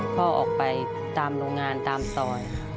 พ่อออกไปตามโรงงานตามซอย